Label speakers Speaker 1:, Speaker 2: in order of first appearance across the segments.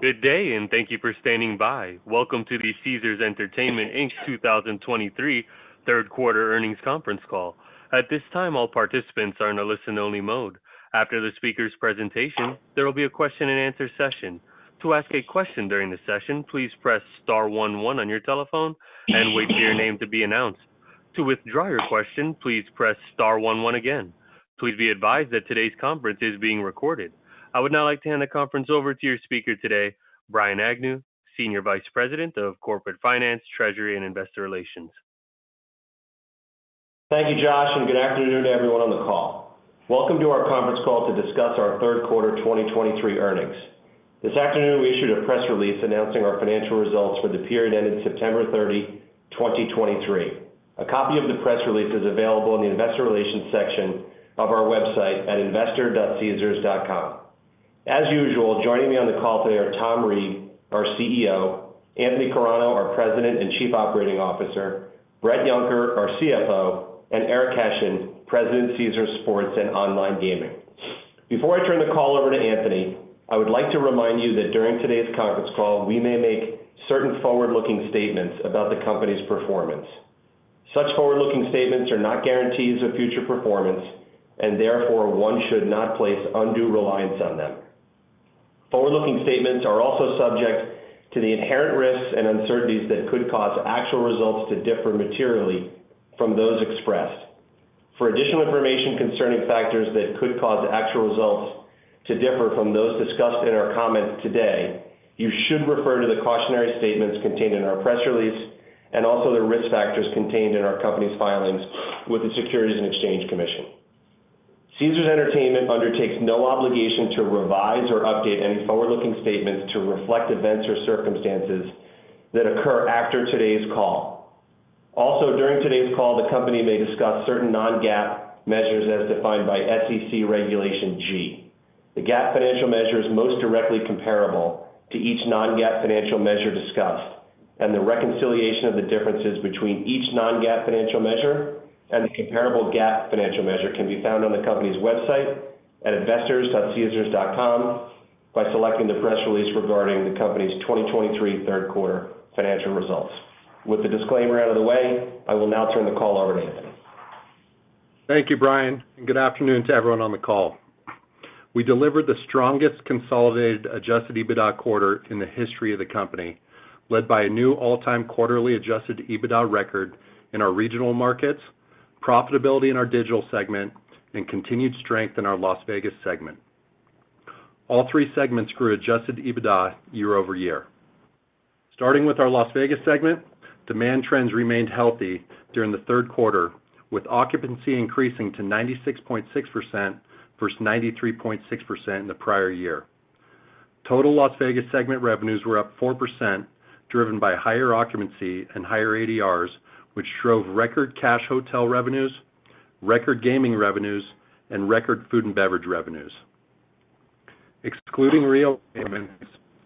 Speaker 1: Good day, and thank you for standing by. Welcome to the Caesars Entertainment, Inc. 2023 Third Quarter Earnings Conference Call. At this time, all participants are in a listen-only mode. After the speaker's presentation, there will be a question-and-answer session. To ask a question during the session, please press star one one on your telephone and wait for your name to be announced. To withdraw your question, please press star one one again. Please be advised that today's conference is being recorded. I would now like to hand the conference over to your speaker today, Brian Agnew, Senior Vice President of Corporate Finance, Treasury, and Investor Relations.
Speaker 2: Thank you, Josh, and good afternoon to everyone on the call. Welcome to our conference call to discuss our third quarter 2023 earnings. This afternoon, we issued a press release announcing our financial results for the period ending September 30, 2023. A copy of the press release is available in the Investor Relations section of our website at investor.caesars.com. As usual, joining me on the call today are Tom Reeg, our CEO, Anthony Carano, our President and Chief Operating Officer, Bret Yunker, our CFO, and Eric Hession, President, Caesars Sports and Online Gaming. Before I turn the call over to Anthony, I would like to remind you that during today's conference call, we may make certain forward-looking statements about the company's performance. Such forward-looking statements are not guarantees of future performance, and therefore, one should not place undue reliance on them. Forward-looking statements are also subject to the inherent risks and uncertainties that could cause actual results to differ materially from those expressed. For additional information concerning factors that could cause actual results to differ from those discussed in our comments today, you should refer to the cautionary statements contained in our press release and also the risk factors contained in our company's filings with the Securities and Exchange Commission. Caesars Entertainment undertakes no obligation to revise or update any forward-looking statements to reflect events or circumstances that occur after today's call. Also, during today's call, the company may discuss certain non-GAAP measures as defined by SEC Regulation G. The GAAP financial measure is most directly comparable to each non-GAAP financial measure discussed, and the reconciliation of the differences between each non-GAAP financial measure and the comparable GAAP financial measure can be found on the company's website at investors.caesars.com by selecting the press release regarding the company's 2023 third quarter financial results. With the disclaimer out of the way, I will now turn the call over to Anthony.
Speaker 3: Thank you, Brian, and good afternoon to everyone on the call. We delivered the strongest consolidated adjusted EBITDA quarter in the history of the company, led by a new all-time quarterly adjusted EBITDA record in our regional markets, profitability in our digital segment, and continued strength in our Las Vegas segment. All three segments grew adjusted EBITDA year-over-year. Starting with our Las Vegas segment, demand trends remained healthy during the third quarter, with occupancy increasing to 96.6% versus 93.6% in the prior year. Total Las Vegas segment revenues were up 4%, driven by higher occupancy and higher ADRs, which drove record cash hotel revenues, record gaming revenues, and record food and beverage revenues. Excluding real payments,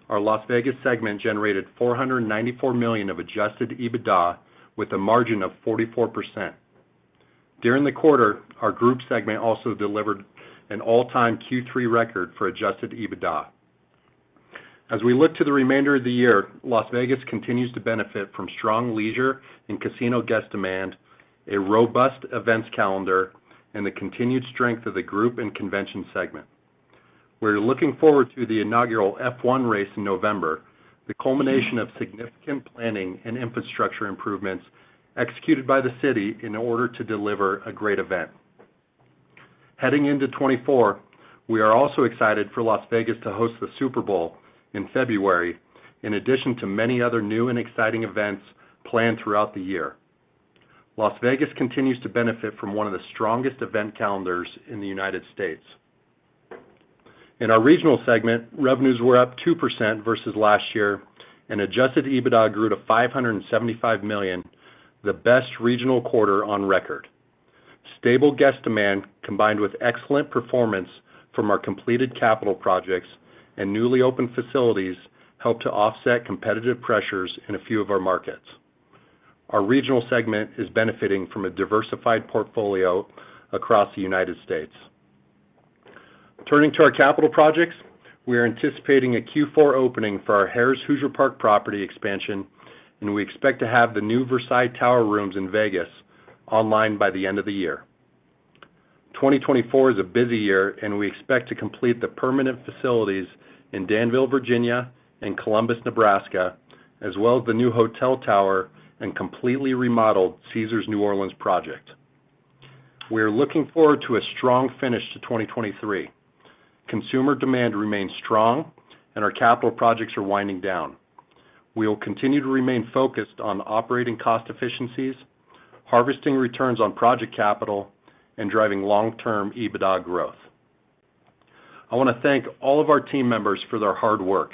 Speaker 3: our Las Vegas segment generated $494 million of adjusted EBITDA with a margin of 44%. During the quarter, our group segment also delivered an all-time Q3 record for Adjusted EBITDA. As we look to the remainder of the year, Las Vegas continues to benefit from strong leisure and casino guest demand, a robust events calendar, and the continued strength of the group and convention segment. We're looking forward to the inaugural F1 race in November, the culmination of significant planning and infrastructure improvements executed by the city in order to deliver a great event. Heading into 2024, we are also excited for Las Vegas to host the Super Bowl in February, in addition to many other new and exciting events planned throughout the year. Las Vegas continues to benefit from one of the strongest event calendars in the United States. In our regional segment, revenues were up 2% versus last year, and Adjusted EBITDA grew to $575 million, the best regional quarter on record. Stable guest demand, combined with excellent performance from our completed capital projects and newly opened facilities, helped to offset competitive pressures in a few of our markets. Our regional segment is benefiting from a diversified portfolio across the United States. Turning to our capital projects, we are anticipating a Q4 opening for our Harrah's Hoosier Park property expansion, and we expect to have the new Versailles Tower rooms in Vegas online by the end of the year. 2024 is a busy year, and we expect to complete the permanent facilities in Danville, Virginia, and Columbus, Nebraska, as well as the new hotel tower and completely remodeled Caesars New Orleans project. We are looking forward to a strong finish to 2023. Consumer demand remains strong, and our capital projects are winding down. We will continue to remain focused on operating cost efficiencies, harvesting returns on project capital, and driving long-term EBITDA growth. I want to thank all of our team members for their hard work.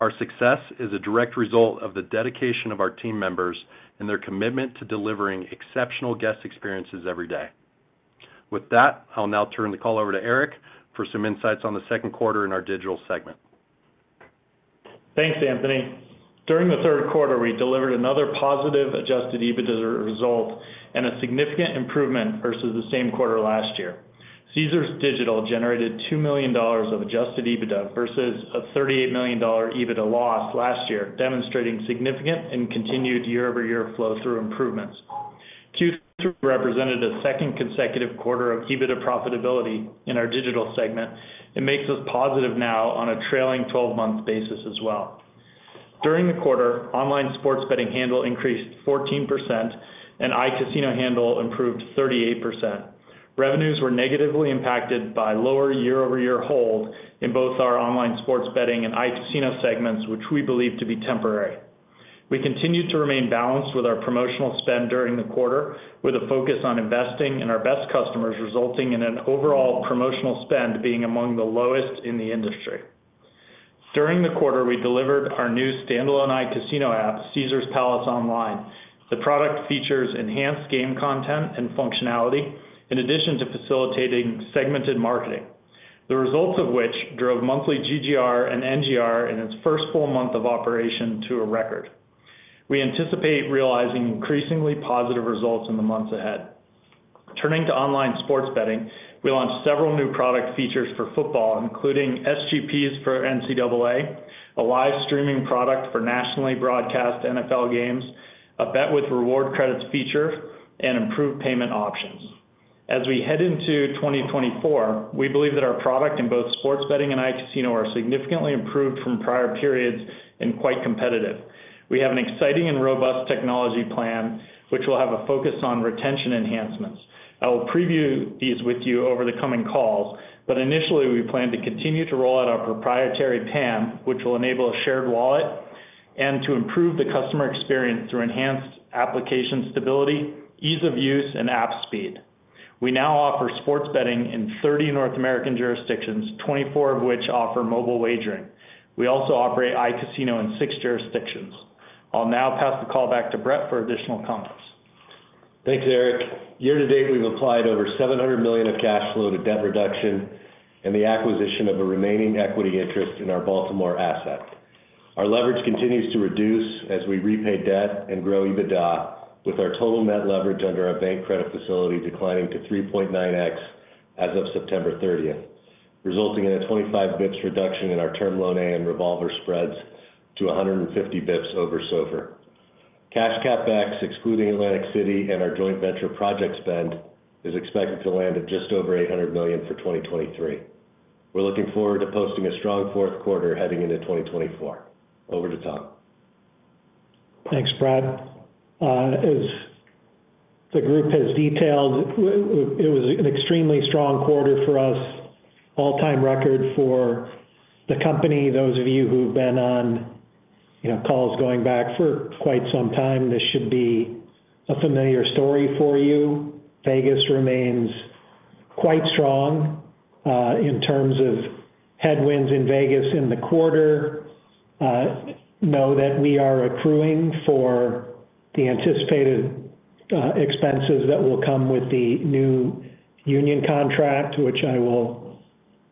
Speaker 3: Our success is a direct result of the dedication of our team members and their commitment to delivering exceptional guest experiences every day. With that, I'll now turn the call over to Eric for some insights on the second quarter in our digital segment.
Speaker 4: Thanks, Anthony. During the third quarter, we delivered another positive Adjusted EBITDA result and a significant improvement versus the same quarter last year. Caesars Digital generated $2 million of Adjusted EBITDA versus a $38 million EBITDA loss last year, demonstrating significant and continued year-over-year flow through improvements. Q3 represented a second consecutive quarter of EBITDA profitability in our digital segment. It makes us positive now on a trailing 12-month basis as well. During the quarter, online sports betting handle increased 14%, and iCasino handle improved 38%. Revenues were negatively impacted by lower year-over-year hold in both our online sports betting and iCasino segments, which we believe to be temporary. We continued to remain balanced with our promotional spend during the quarter, with a focus on investing in our best customers, resulting in an overall promotional spend being among the lowest in the industry. During the quarter, we delivered our new standalone iCasino app, Caesars Palace Online. The product features enhanced game content and functionality, in addition to facilitating segmented marketing, the results of which drove monthly GGR and NGR in its first full month of operation to a record. We anticipate realizing increasingly positive results in the months ahead. Turning to online sports betting, we launched several new product features for football, including SGPs for NCAA, a live streaming product for nationally broadcast NFL games, a bet with reward credits feature, and improved payment options. As we head into 2024, we believe that our product in both sports betting and iCasino are significantly improved from prior periods and quite competitive. We have an exciting and robust technology plan, which will have a focus on retention enhancements. I will preview these with you over the coming calls, but initially, we plan to continue to roll out our proprietary PAM, which will enable a shared wallet, and to improve the customer experience through enhanced application stability, ease of use, and app speed. We now offer sports betting in 30 North American jurisdictions, 24 of which offer mobile wagering. We also operate iCasino in 6 jurisdictions. I'll now pass the call back to Bret for additional comments.
Speaker 5: Thanks, Eric. Year-to-date, we've applied over $700 million of cash flow to debt reduction and the acquisition of a remaining equity interest in our Baltimore asset. Our leverage continues to reduce as we repay debt and grow EBITDA, with our total net leverage under our bank credit facility declining to 3.9x as of September 30th, resulting in a 25 basis points reduction in our Term Loan A and revolver spreads to 150 basis points over SOFR. Cash CapEx, excluding Atlantic City and our joint venture project spend, is expected to land at just over $800 million for 2023. We're looking forward to posting a strong fourth quarter heading into 2024. Over to Tom.
Speaker 6: Thanks, Bret. As the group has detailed, it was an extremely strong quarter for us, all-time record for the company. Those of you who've been on, you know, calls going back for quite some time, this should be a familiar story for you. Vegas remains quite strong. In terms of headwinds in Vegas in the quarter, know that we are accruing for the anticipated expenses that will come with the new union contract, which I will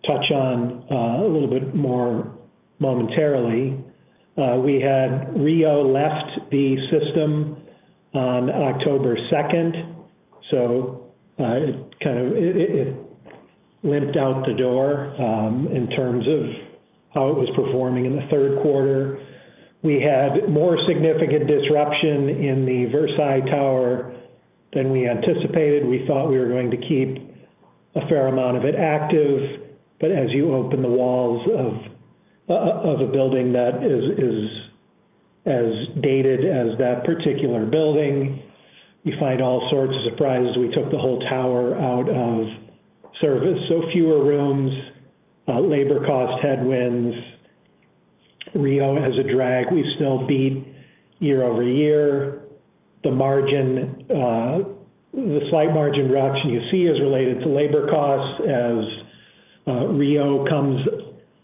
Speaker 6: touch on a little bit more momentarily. We had Rio left the system on October second, so it kind of limped out the door in terms of how it was performing in the third quarter. We had more significant disruption in the Versailles Tower than we anticipated. We thought we were going to keep a fair amount of it active, but as you open the walls of, of a building that is as dated as that particular building, you find all sorts of surprises. We took the whole tower out of service, so fewer rooms, labor cost headwinds. Rio as a drag, we still beat year-over-year. The margin, the slight margin reduction you see is related to labor costs. As Rio comes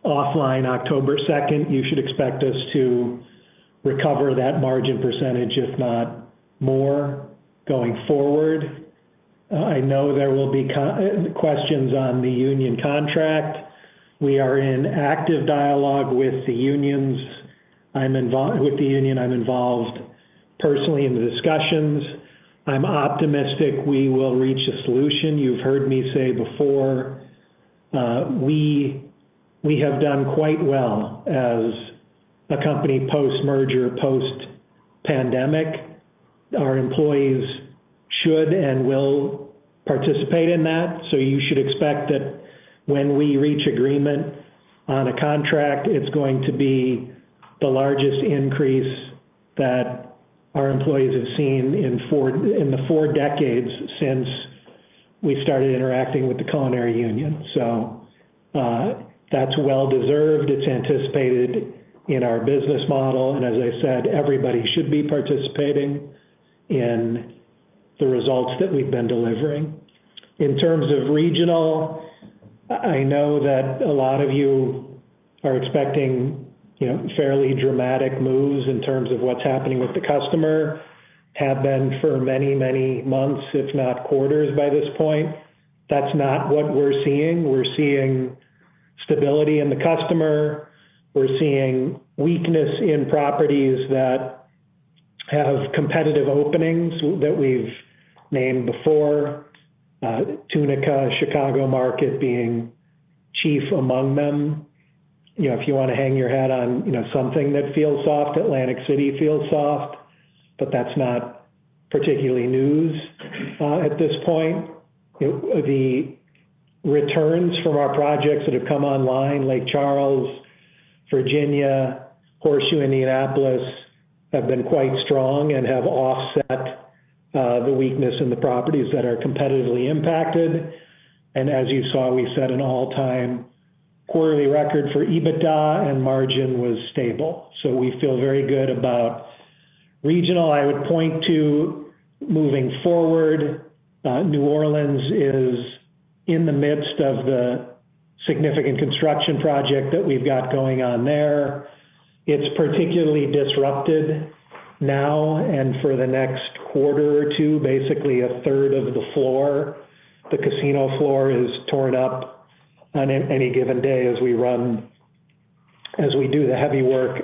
Speaker 6: offline October second, you should expect us to recover that margin percentage, if not more, going forward. I know there will be questions on the union contract. We are in active dialogue with the unions. I'm involved with the union. I'm involved personally in the discussions. I'm optimistic we will reach a solution. You've heard me say before, we have done quite well as a company, post-merger, post-pandemic. Our employees should and will participate in that, so you should expect that when we reach agreement on a contract, it's going to be the largest increase that our employees have seen in four decades since we started interacting with the culinary union. So, that's well deserved. It's anticipated in our business model, and as I said, everybody should be participating in the results that we've been delivering. In terms of regional, I know that a lot of you are expecting, you know, fairly dramatic moves in terms of what's happening with the customer, have been for many, many months, if not quarters, by this point. That's not what we're seeing. We're seeing stability in the customer. We're seeing weakness in properties that have competitive openings that we've named before, Tunica, Chicago market being chief among them. You know, if you want to hang your hat on, you know, something that feels soft, Atlantic City feels soft, but that's not particularly news, at this point. The returns from our projects that have come online, Lake Charles, Virginia, Horseshoe Indianapolis, have been quite strong and have offset the weakness in the properties that are competitively impacted. And as you saw, we set an all-time quarterly record for EBITDA, and margin was stable. So we feel very good about regional. I would point to, moving forward, New Orleans is in the midst of the significant construction project that we've got going on there. It's particularly disrupted now and for the next quarter or two, basically a third of the floor, the casino floor is torn up on any given day as we do the heavy work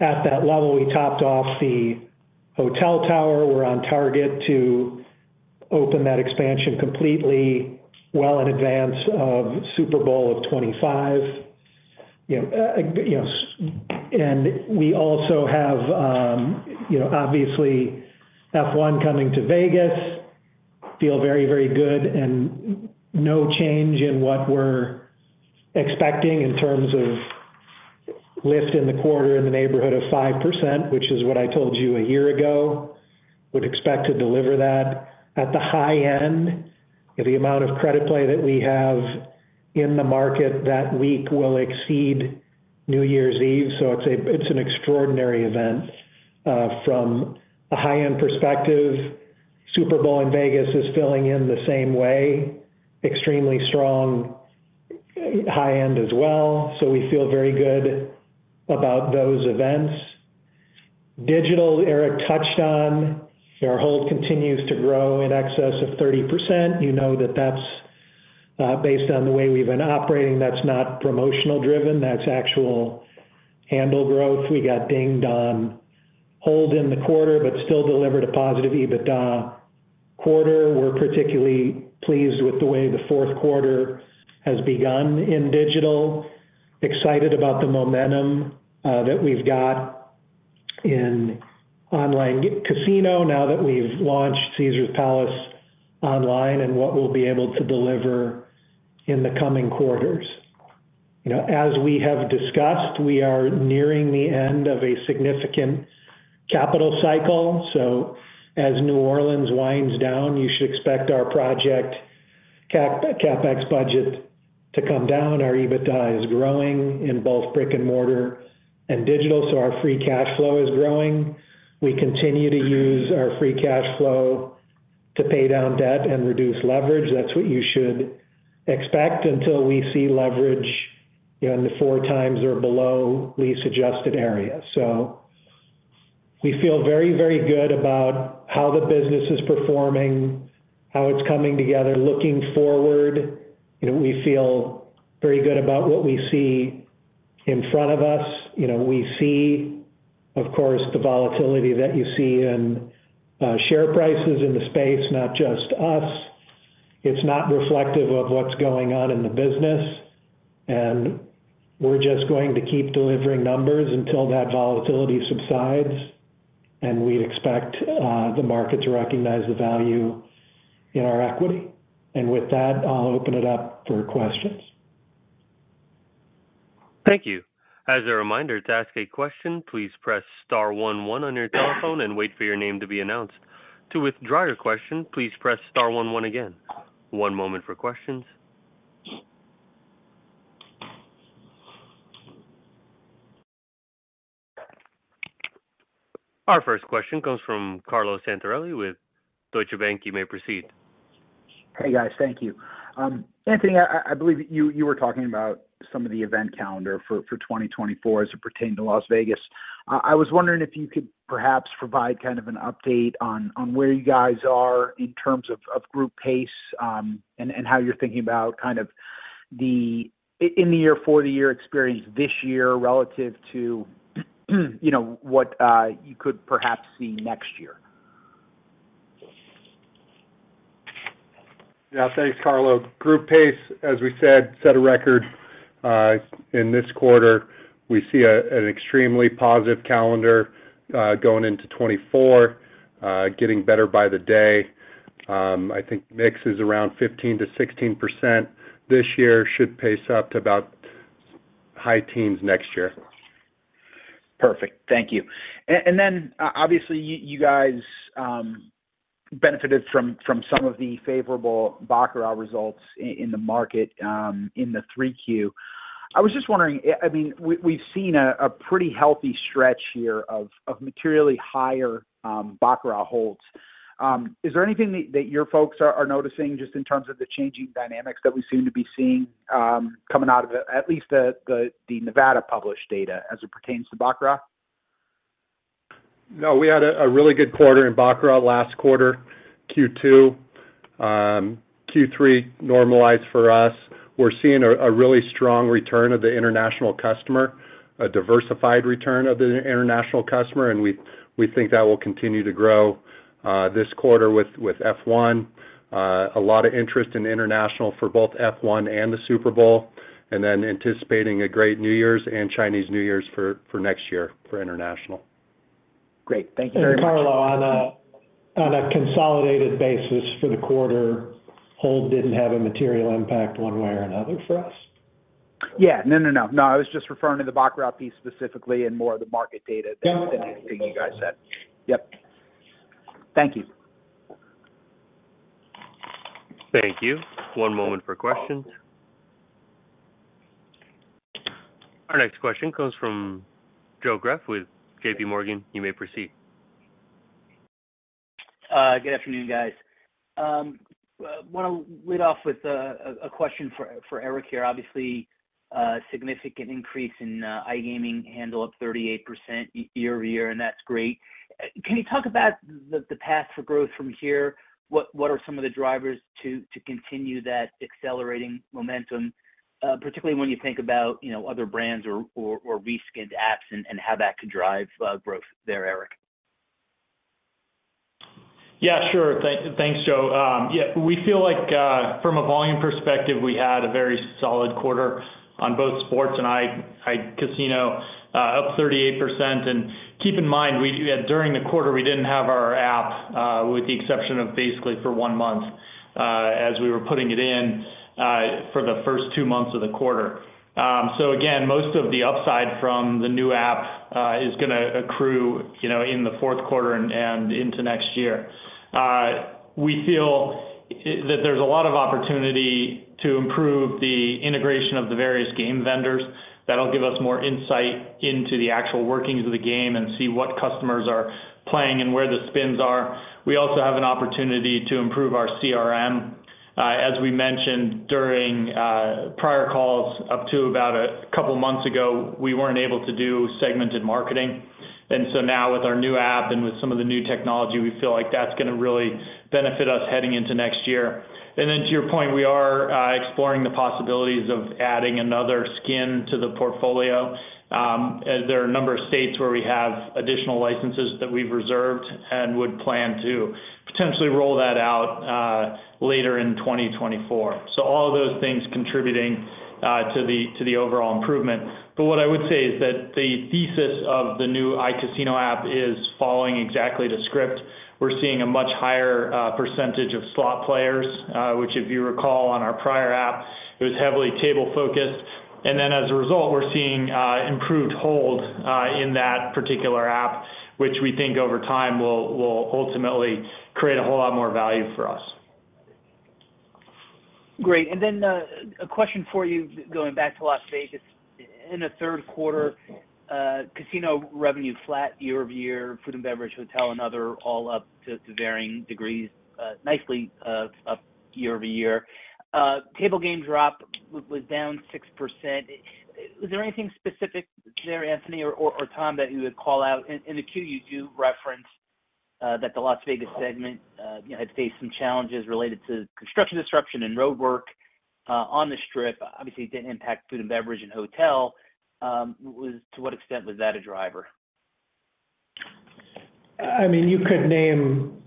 Speaker 6: at that level. We topped off the hotel tower. We're on target to open that expansion completely well in advance of Super Bowl of 25. You know, you know, and we also have, you know, obviously F1 coming to Vegas. Feel very, very good and no change in what we're expecting in terms of lift in the quarter in the neighborhood of 5%, which is what I told you a year ago. Would expect to deliver that at the high end. The amount of credit play that we have in the market that week will exceed New Year's Eve, so it's an extraordinary event. From a high-end perspective, Super Bowl in Vegas is filling in the same way, extremely strong high end as well, so we feel very good about those events. Digital, Eric touched on. Our hold continues to grow in excess of 30%. You know that that's based on the way we've been operating, that's not promotional driven, that's actual handle growth. We got dinged on hold in the quarter, but still delivered a positive EBITDA quarter. We're particularly pleased with the way the fourth quarter has begun in digital. Excited about the momentum that we've got in online casino now that we've launched Caesars Palace Online, and what we'll be able to deliver in the coming quarters. You know, as we have discussed, we are nearing the end of a significant capital cycle. So as New Orleans winds down, you should expect our project CapEx budget to come down. Our EBITDA is growing in both brick and mortar and digital, so our free cash flow is growing. We continue to use our free cash flow to pay down debt and reduce leverage. That's what you should expect until we see leverage in the 4x or below lease-adjusted area. So we feel very, very good about how the business is performing, how it's coming together. Looking forward, you know, we feel very good about what we see in front of us. You know, we see, of course, the volatility that you see in share prices in the space, not just us. It's not reflective of what's going on in the business, and we're just going to keep delivering numbers until that volatility subsides, and we expect the market to recognize the value in our equity. And with that, I'll open it up for questions.
Speaker 1: Thank you. As a reminder, to ask a question, please press star one one on your telephone and wait for your name to be announced. To withdraw your question, please press star one one again. One moment for questions. Our first question comes from Carlo Santarelli with Deutsche Bank. You may proceed.
Speaker 7: Hey, guys. Thank you. Anthony, I believe you were talking about some of the event calendar for 2024 as it pertained to Las Vegas. I was wondering if you could perhaps provide kind of an update on where you guys are in terms of group pace, and how you're thinking about kind of the in-year experience this year relative to, you know, what you could perhaps see next year?
Speaker 3: Yeah, thanks, Carlo. Group pace, as we said, set a record in this quarter. We see an extremely positive calendar going into 2024, getting better by the day. I think mix is around 15%-16% this year, should pace up to about high teens next year.
Speaker 7: Perfect. Thank you. And then, obviously, you guys benefited from some of the favorable baccarat results in the market in the 3Q. I was just wondering, I mean, we've seen a pretty healthy stretch here of materially higher baccarat holds. Is there anything that your folks are noticing just in terms of the changing dynamics that we seem to be seeing coming out of the, at least the Nevada-published data as it pertains to baccarat?
Speaker 4: No, we had a really good quarter in Baccarat last quarter, Q2. Q3 normalized for us. We're seeing a really strong return of the international customer, a diversified return of the international customer, and we think that will continue to grow this quarter with F1. A lot of interest in international for both F1 and the Super Bowl, and then anticipating a great New Year's and Chinese New Years for next year for international.
Speaker 7: Great, thank you very much.
Speaker 6: Carlo, on a consolidated basis for the quarter, Hold didn't have a material impact one way or another for us?
Speaker 7: Yeah. No, no, no. No, I was just referring to the Baccarat piece specifically and more of the market data than anything you guys said. Yep. Thank you.
Speaker 1: Thank you. One moment for questions. Our next question comes from Joe Greff with JPMorgan. You may proceed.
Speaker 8: Good afternoon, guys. Well, I want to lead off with a question for Eric here. Obviously, a significant increase in iGaming handle up 38% year over year, and that's great. Can you talk about the path for growth from here? What are some of the drivers to continue that accelerating momentum, particularly when you think about, you know, other brands or reskinned apps and how that could drive growth there, Eric?
Speaker 4: Yeah, sure. Thanks, Joe. Yeah, we feel like, from a volume perspective, we had a very solid quarter on both sports and iCasino, up 38%. And keep in mind, during the quarter, we didn't have our app, with the exception of basically for one month, as we were putting it in, for the first two months of the quarter. So again, most of the upside from the new app is gonna accrue, you know, in the fourth quarter and into next year. We feel that there's a lot of opportunity to improve the integration of the various game vendors. That'll give us more insight into the actual workings of the game and see what customers are playing and where the spins are. We also have an opportunity to improve our CRM. As we mentioned during prior calls, up to about a couple of months ago, we weren't able to do segmented marketing. And so now with our new app and with some of the new technology, we feel like that's gonna really benefit us heading into next year. And then to your point, we are exploring the possibilities of adding another skin to the portfolio, as there are a number of states where we have additional licenses that we've reserved and would plan to potentially roll that out later in 2024. So all of those things contributing to the overall improvement. But what I would say is that the thesis of the new iCasino app is following exactly the script. We're seeing a much higher percentage of slot players, which, if you recall, on our prior app, it was heavily table-focused. And then as a result, we're seeing improved hold in that particular app, which we think over time will, will ultimately create a whole lot more value for us.
Speaker 8: Great. And then, a question for you, going back to Las Vegas. In the third quarter, casino revenue flat year-over-year, food and beverage, hotel, and other, all up, to varying degrees, nicely up year-over-year. Table game drop was down 6%. Was there anything specific there, Anthony or Tom, that you would call out? In the Q, you do reference that the Las Vegas segment, you know, had faced some challenges related to construction disruption and roadwork on the Strip. Obviously, it didn't impact food and beverage and hotel. To what extent was that a driver?
Speaker 6: I mean, you could name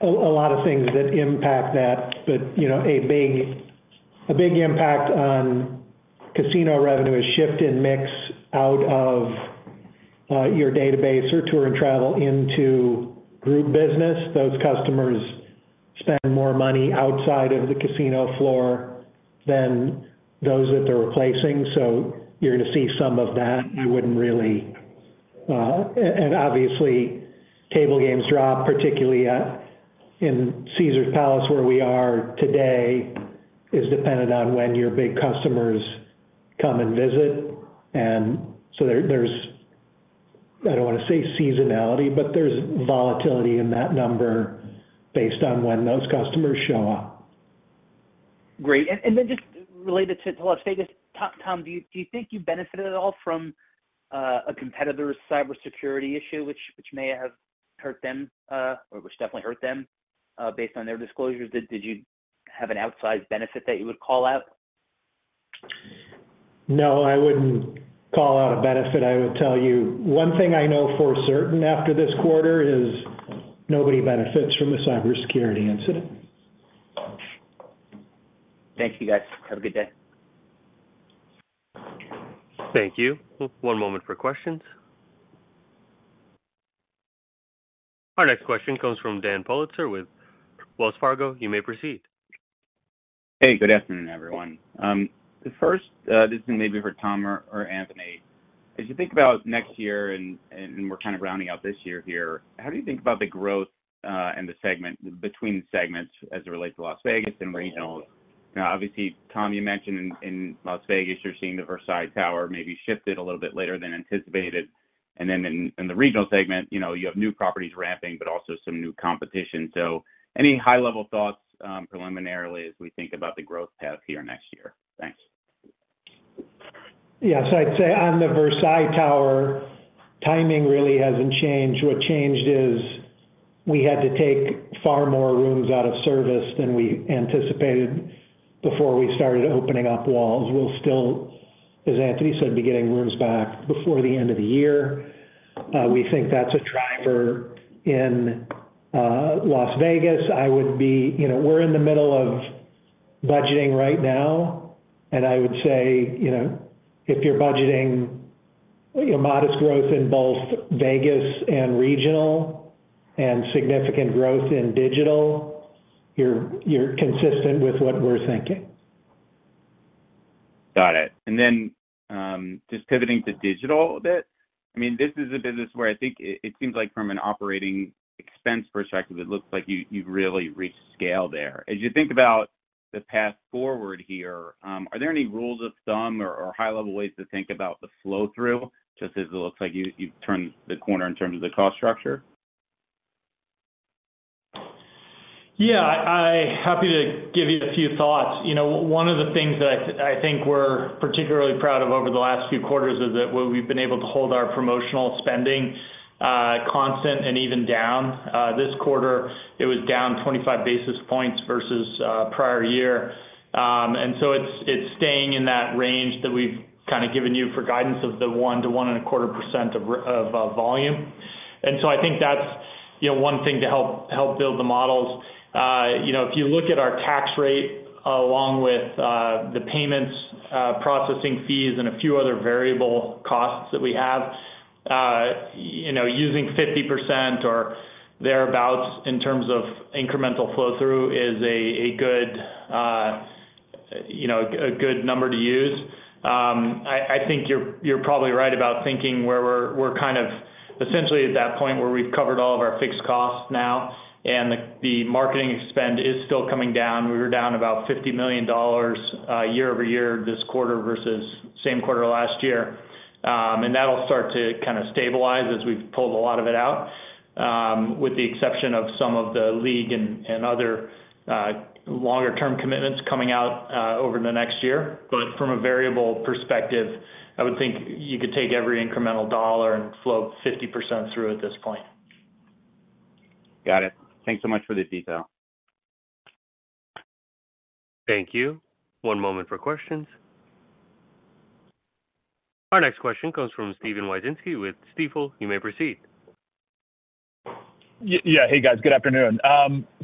Speaker 6: a lot of things that impact that, but you know, a big impact on casino revenue is shift in mix out of your database or tour and travel into group business. Those customers spend more money outside of the casino floor than those that they're replacing. So you're gonna see some of that. I wouldn't really... and obviously, table games drop, particularly in Caesars Palace, where we are today, is dependent on when your big customers come and visit. And so there, there's, I don't want to say seasonality, but there's volatility in that number based on when those customers show up.
Speaker 8: Great. And then just related to Las Vegas, Tom, do you think you benefited at all from a competitor's cybersecurity issue, which may have hurt them or which definitely hurt them, based on their disclosures? Did you have an outsized benefit that you would call out?
Speaker 6: No, I wouldn't call out a benefit. I would tell you, one thing I know for certain after this quarter is nobody benefits from a cybersecurity incident.
Speaker 8: Thank you, guys. Have a good day.
Speaker 1: Thank you. One moment for questions. Our next question comes from Dan Politzer with Wells Fargo. You may proceed.
Speaker 9: Hey, good afternoon, everyone. First, this may be for Tom or Anthony. As you think about next year, and we're kind of rounding out this year here, how do you think about the growth and between the segments as it relates to Las Vegas and regionals? Now, obviously, Tom, you mentioned in Las Vegas, you're seeing the Versailles Tower maybe shifted a little bit later than anticipated. And then in the regional segment, you know, you have new properties ramping, but also some new competition. So any high-level thoughts, preliminarily as we think about the growth path here next year? Thanks.
Speaker 6: Yes, I'd say on the Versailles Tower, timing really hasn't changed. What changed is we had to take far more rooms out of service than we anticipated before we started opening up walls. We'll still, as Anthony said, be getting rooms back before the end of the year. We think that's a driver in Las Vegas. I would be. You know, we're in the middle of budgeting right now, and I would say, you know, if you're budgeting, you know, modest growth in both Vegas and regional, and significant growth in digital, you're consistent with what we're thinking.
Speaker 9: Got it. And then, just pivoting to digital a bit, I mean, this is a business where I think it, it seems like from an operating expense perspective, it looks like you, you've really reached scale there. As you think about the path forward here, are there any rules of thumb or, or high level ways to think about the flow through, just as it looks like you, you've turned the corner in terms of the cost structure?
Speaker 4: Yeah, happy to give you a few thoughts. You know, one of the things that I think we're particularly proud of over the last few quarters is that, well, we've been able to hold our promotional spending constant and even down. This quarter, it was down 25 basis points versus prior year. And so it's staying in that range that we've kind of given you for guidance of the 1%-1.25% of volume. And so I think that's, you know, one thing to help build the models. You know, if you look at our tax rate, along with the payments processing fees and a few other variable costs that we have, you know, using 50% or thereabout in terms of incremental flow through is a good number to use. I think you're probably right about thinking where we're kind of essentially at that point where we've covered all of our fixed costs now, and the marketing spend is still coming down. We were down about $50 million year-over-year this quarter versus same quarter last year. And that'll start to kind of stabilize as we've pulled a lot of it out, with the exception of some of the league and other longer term commitments coming out over the next year. From a variable perspective, I would think you could take every incremental dollar and flow 50% through at this point.
Speaker 9: Got it. Thanks so much for the detail.
Speaker 1: Thank you. One moment for questions. Our next question comes from Steven Wieczynski with Stifel. You may proceed.
Speaker 10: Yeah. Hey, guys, good afternoon.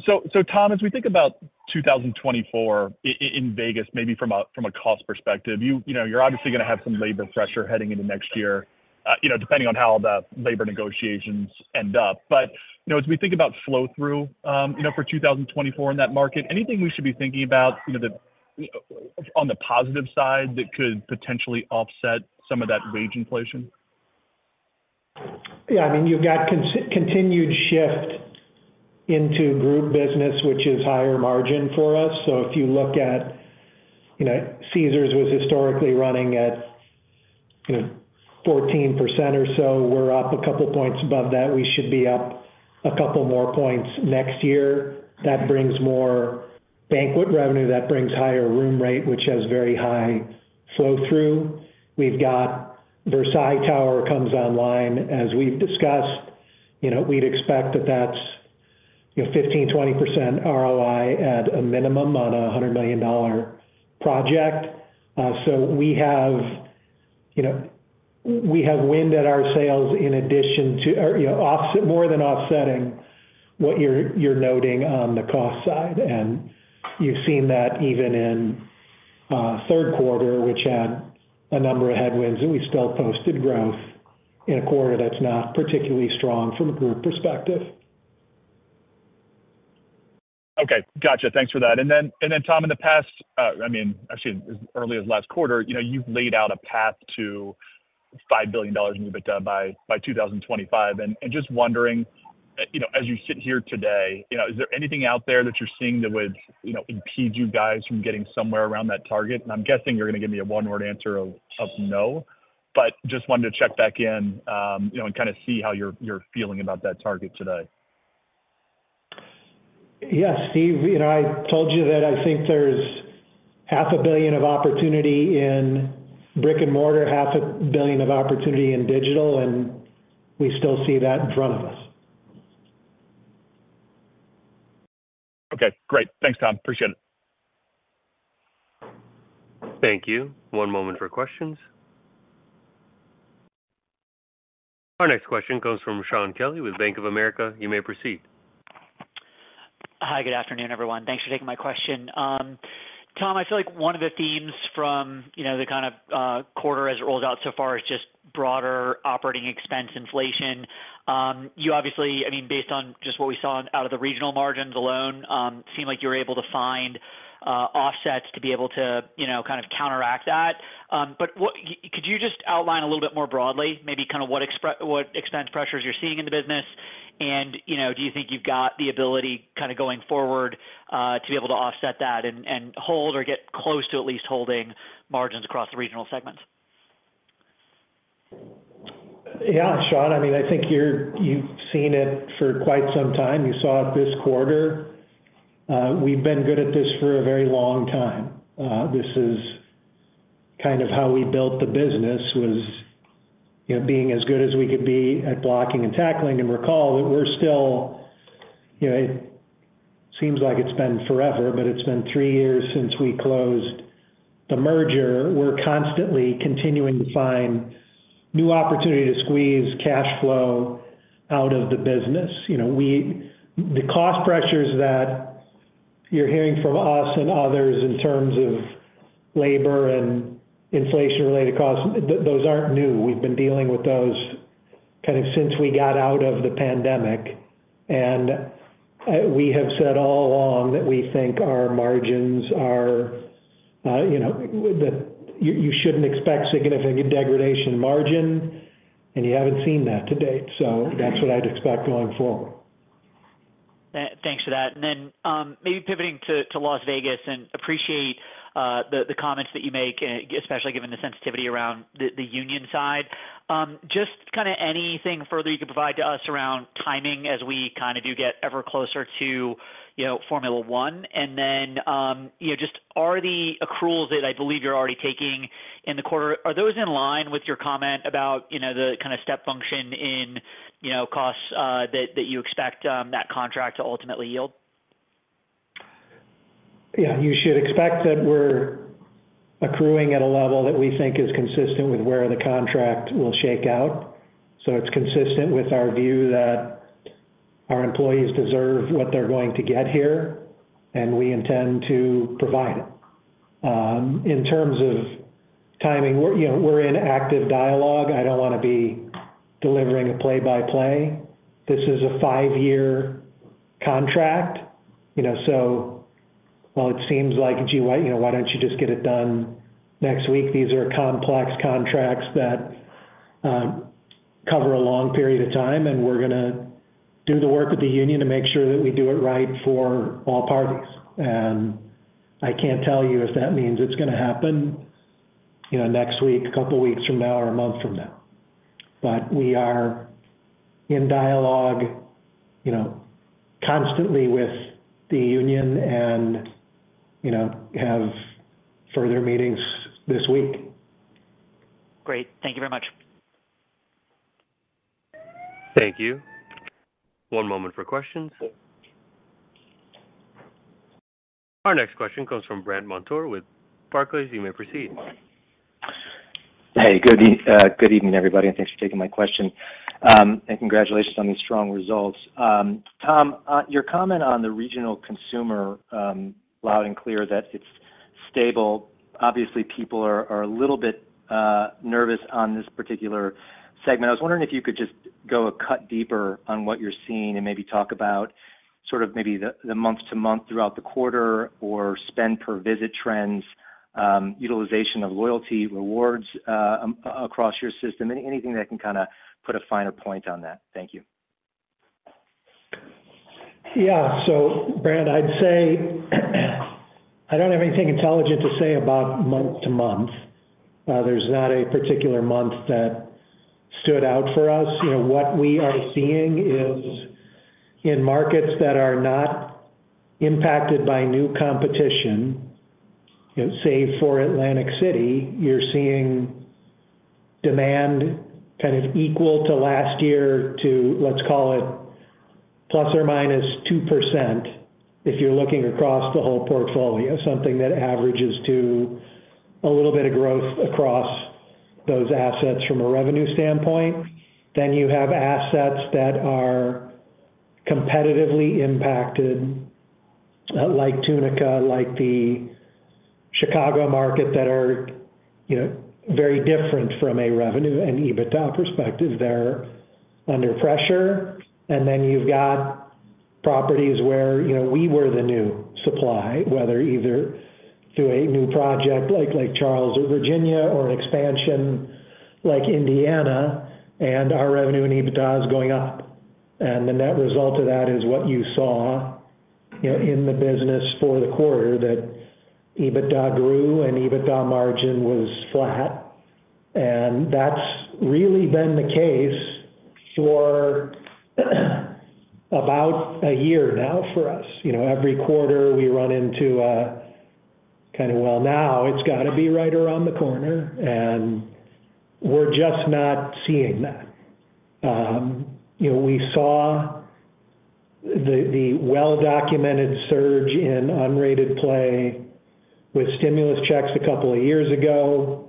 Speaker 10: So, Tom, as we think about 2024 in Vegas, maybe from a cost perspective, you know, you're obviously going to have some labor pressure heading into next year, you know, depending on how the labor negotiations end up. But, you know, as we think about flow through, you know, for 2024 in that market, anything we should be thinking about, you know, on the positive side that could potentially offset some of that wage inflation?
Speaker 6: Yeah, I mean, you've got continued shift into group business, which is higher margin for us. So if you look at, you know, Caesars was historically running at, you know, 14% or so, we're up a couple points above that. We should be up a couple more points next year. That brings more banquet revenue, that brings higher room rate, which has very high flow through. We've got Versailles Tower comes online. As we've discussed, you know, we'd expect that that's, you know, 15%-20% ROI at a minimum on a $100 million project. So we have, you know, we have wind at our sails in addition to, or, you know, offsetting more than offsetting what you're, you're noting on the cost side. You've seen that even in third quarter, which had a number of headwinds, and we still posted growth in a quarter that's not particularly strong from a group perspective.
Speaker 10: Okay, gotcha. Thanks for that. And then, Tom, in the past, I mean, actually as early as last quarter, you know, you've laid out a path to $5 billion in EBITDA by 2025. And just wondering, you know, as you sit here today, you know, is there anything out there that you're seeing that would, you know, impede you guys from getting somewhere around that target? And I'm guessing you're going to give me a one-word answer of no, but just wanted to check back in, you know, and kind of see how you're feeling about that target today.
Speaker 6: Yes, Steve, you know, I told you that I think there's $500 million of opportunity in brick-and-mortar, $500 million of opportunity in digital, and we still see that in front of us.
Speaker 10: Okay, great. Thanks, Tom. Appreciate it.
Speaker 1: Thank you. One moment for questions. Our next question comes from Shaun Kelly with Bank of America. You may proceed.
Speaker 11: Hi, good afternoon, everyone. Thanks for taking my question. Tom, I feel like one of the themes from, you know, the kind of quarter as it rolled out so far is just broader operating expense inflation. You obviously, I mean, based on just what we saw out of the regional margins alone, seemed like you were able to find offsets to be able to, you know, kind of counteract that. But could you just outline a little bit more broadly, maybe kind of what expense pressures you're seeing in the business? And, you know, do you think you've got the ability, kind of going forward, to be able to offset that and, and hold or get close to at least holding margins across the regional segments?
Speaker 6: Yeah, Sean, I mean, I think you've seen it for quite some time. You saw it this quarter. We've been good at this for a very long time. This is kind of how we built the business, was, you know, being as good as we could be at blocking and tackling. And recall that we're still, you know, it seems like it's been forever, but it's been three years since we closed the merger. We're constantly continuing to find new opportunity to squeeze cash flow out of the business. You know, the cost pressures that you're hearing from us and others in terms of labor and inflation-related costs, those aren't new. We've been dealing with those kind of since we got out of the pandemic, and we have said all along that we think our margins are, you know, that you shouldn't expect significant degradation in margin, and you haven't seen that to date. So that's what I'd expect going forward.
Speaker 11: Thanks for that. And then, maybe pivoting to Las Vegas, and appreciate the comments that you make, especially given the sensitivity around the union side. Just kind of anything further you can provide to us around timing as we kind of do get ever closer to, you know, Formula 1? And then, you know, just are the accruals that I believe you're already taking in the quarter, are those in line with your comment about, you know, the kind of step function in, you know, costs that you expect that contract to ultimately yield?
Speaker 6: Yeah. You should expect that we're accruing at a level that we think is consistent with where the contract will shake out. So it's consistent with our view that our employees deserve what they're going to get here, and we intend to provide it. In terms of timing, we're, you know, we're in active dialogue. I don't want to be delivering a play-by-play. This is a five-year contract, you know, so while it seems like, gee, why, you know, why don't you just get it done next week? These are complex contracts that cover a long period of time, and we're gonna do the work with the union to make sure that we do it right for all parties. And I can't tell you if that means it's gonna happen, you know, next week, a couple of weeks from now, or a month from now. We are in dialogue, you know, constantly with the union and, you know, have further meetings this week.
Speaker 11: Great. Thank you very much.
Speaker 1: Thank you. One moment for questions. Our next question comes from Brandt Montour with Barclays. You may proceed.
Speaker 12: Hey, good evening, everybody, and thanks for taking my question. Congratulations on these strong results. Tom, your comment on the regional consumer, loud and clear, that it's stable. Obviously, people are a little bit nervous on this particular segment. I was wondering if you could just go a bit deeper on what you're seeing and maybe talk about sort of maybe the month-to-month throughout the quarter or spend per visit trends, utilization of loyalty rewards, across your system. Anything that can kind of put a finer point on that. Thank you.
Speaker 6: Yeah. So Brant, I'd say, I don't have anything intelligent to say about month-to-month. There's not a particular month that stood out for us. You know, what we are seeing is in markets that are not impacted by new competition, you know, save for Atlantic City, you're seeing demand kind of equal to last year to, let's call it, ±2% if you're looking across the whole portfolio, something that averages to a little bit of growth across those assets from a revenue standpoint. Then you have assets that are competitively impacted, like Tunica, like the Chicago market, that are, you know, very different from a revenue and EBITDA perspective. They're under pressure. And then you've got properties where, you know, we were the new supply, whether either through a new project like Charles or Virginia, or an expansion like Indiana, and our revenue and EBITDA is going up. And the net result of that is what you saw, you know, in the business for the quarter, that EBITDA grew and EBITDA margin was flat. And that's really been the case for about a year now for us. You know, every quarter we run into a kind of, well, now it's got to be right around the corner, and we're just not seeing that. You know, we saw the well-documented surge in unrated play with stimulus checks a couple of years ago.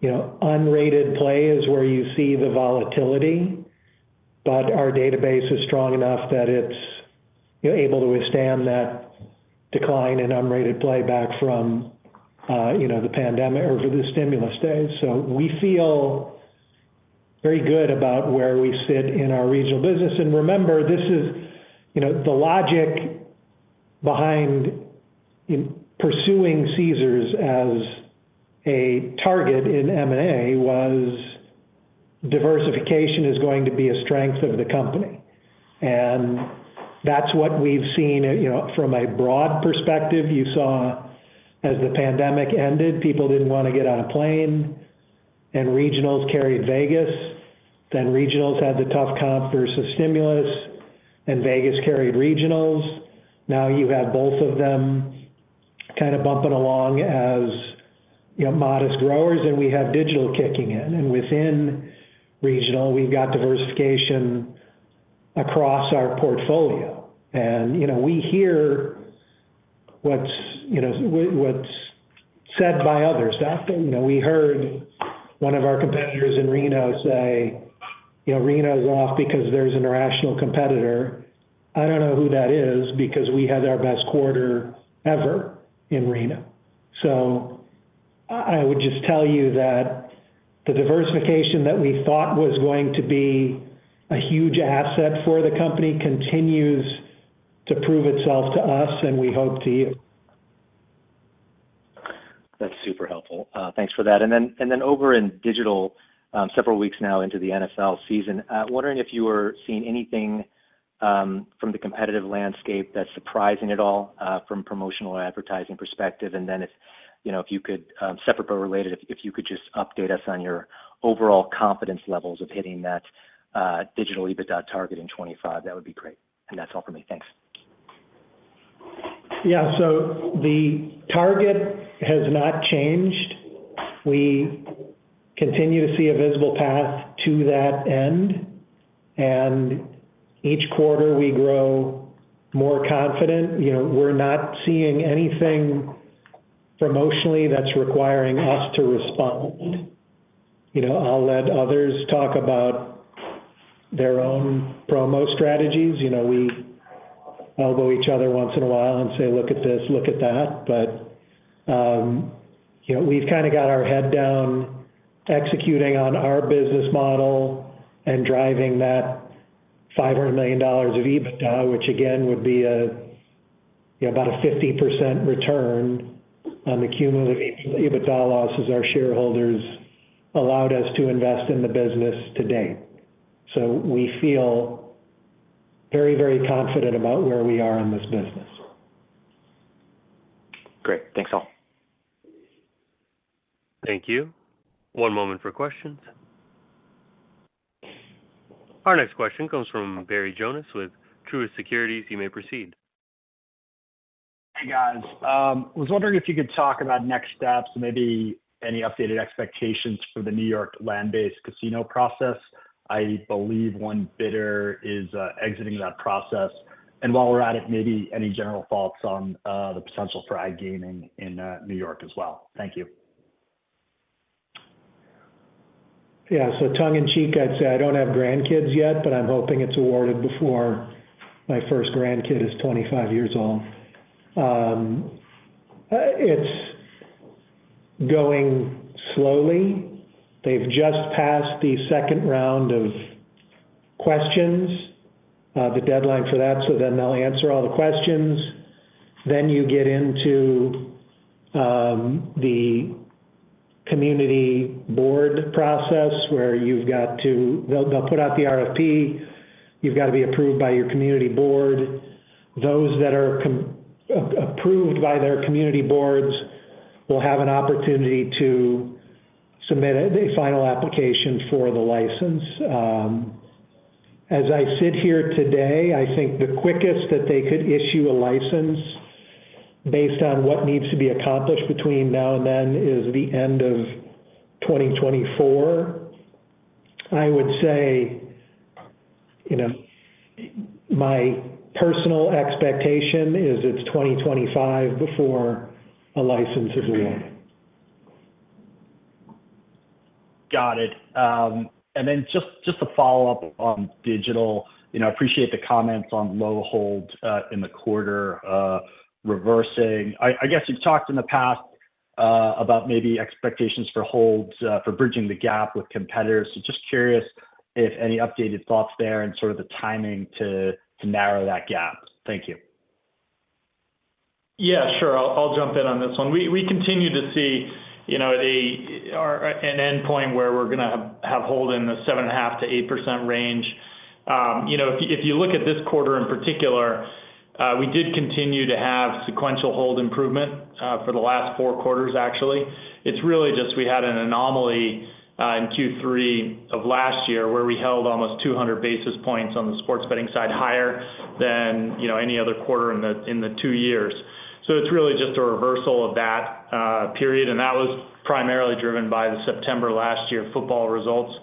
Speaker 6: You know, unrated play is where you see the volatility, but our database is strong enough that it's, you know, able to withstand that decline in unrated play back from, you know, the pandemic or the stimulus days. So we feel very good about where we sit in our regional business. Remember, this is you know, the logic behind pursuing Caesars as a target in M&A was diversification is going to be a strength of the company. That's what we've seen, you know, from a broad perspective. You saw as the pandemic ended, people didn't want to get on a plane, and regionals carried Vegas. Then regionals had the tough comp versus stimulus, and Vegas carried regionals. Now you have both of them kind of bumping along as, you know, modest growers, and we have digital kicking in. Within regional, we've got diversification across our portfolio. You know, we hear what's said by others. You know, we heard one of our competitors in Reno say, you know, Reno's off because there's an irrational competitor. I don't know who that is, because we had our best quarter ever in Reno. So I would just tell you that the diversification that we thought was going to be a huge asset for the company continues to prove itself to us, and we hope to you.
Speaker 12: That's super helpful. Thanks for that. And then over in digital, several weeks now into the NFL season, wondering if you are seeing anything from the competitive landscape that's surprising at all from promotional advertising perspective? And then if, you know, if you could, separate but related, if you could just update us on your overall confidence levels of hitting that digital EBITDA target in 25, that would be great. And that's all for me. Thanks.
Speaker 6: Yeah, so the target has not changed. We continue to see a visible path to that end, and each quarter we grow more confident. You know, we're not seeing anything promotionally that's requiring us to respond. You know, I'll let others talk about their own promo strategies. You know, we elbow each other once in a while and say, "Look at this, look at that." But, you know, we've kind of got our head down, executing on our business model and driving that $500 million of EBITDA, which again, would be a, you know, about a 50% return on the cumulative EBITDA losses our shareholders allowed us to invest in the business to date. So we feel very, very confident about where we are in this business.
Speaker 12: Great. Thanks all.
Speaker 1: Thank you. One moment for questions. Our next question comes from Barry Jonas with Truist Securities. You may proceed.
Speaker 13: Hey, guys. Was wondering if you could talk about next steps, maybe any updated expectations for the New York land-based casino process? I believe one bidder is exiting that process. And while we're at it, maybe any general thoughts on the potential for iGaming in New York as well? Thank you.
Speaker 6: Yeah, so tongue in cheek, I'd say I don't have grandkids yet, but I'm hoping it's awarded before my first grandkid is 25 years old. It's going slowly. They've just passed the second round of questions, the deadline for that, so then they'll answer all the questions. Then you get into the community board process, where you've got to. They'll put out the RFP, you've got to be approved by your community board. Those that are approved by their community boards will have an opportunity to submit a final application for the license. As I sit here today, I think the quickest that they could issue a license based on what needs to be accomplished between now and then, is the end of 2024. I would say, you know, my personal expectation is it's 2025 before a license is awarded.
Speaker 13: Got it. And then just to follow up on digital, you know, appreciate the comments on low holds in the quarter, reversing. I guess you've talked in the past about maybe expectations for holds for bridging the gap with competitors. So just curious if any updated thoughts there and sort of the timing to narrow that gap. Thank you.
Speaker 4: Yeah, sure. I'll jump in on this one. We continue to see, you know, an end point where we're gonna have hold in the 7.5%-8% range. You know, if you look at this quarter in particular, we did continue to have sequential hold improvement for the last four quarters, actually. It's really just we had an anomaly in Q3 of last year, where we held almost 200 basis points on the sports betting side, higher than, you know, any other quarter in the two years. So it's really just a reversal of that period, and that was primarily driven by the September last year football results,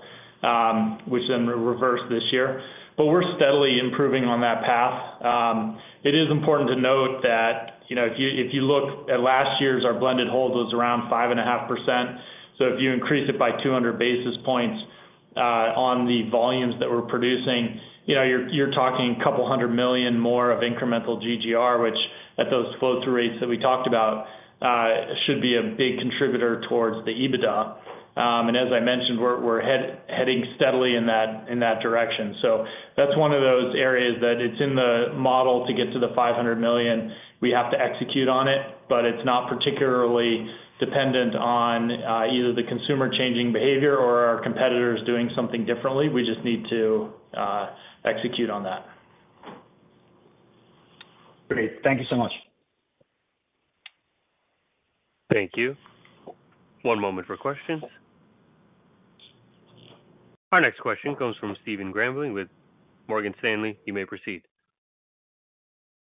Speaker 4: which then reversed this year. But we're steadily improving on that path. It is important to note that, you know, if you, if you look at last year's, our blended hold was around 5.5%. So if you increase it by 200 basis points, on the volumes that we're producing, you know, you're, you're talking a couple hundred million more of incremental GGR, which at those flow-through rates that we talked about, should be a big contributor towards the EBITDA. And as I mentioned, we're, we're heading steadily in that, in that direction. So that's one of those areas that it's in the model to get to the $500 million. We have to execute on it, but it's not particularly dependent on, either the consumer changing behavior or our competitors doing something differently. We just need to, execute on that.
Speaker 8: Great. Thank you so much.
Speaker 1: Thank you. One moment for questions. Our next question comes from Stephen Grambling with Morgan Stanley. You may proceed.